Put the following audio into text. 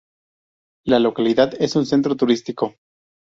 La localidad es un centro turístico.